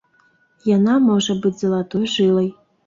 Яна можа быць залатой жылай.